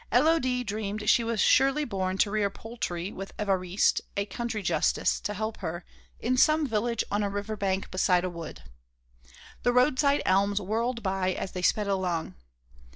Élodie dreamed she was surely born to rear poultry with Évariste, a country justice, to help her, in some village on a river bank beside a wood. The roadside elms whirled by as they sped along.